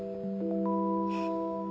フッ。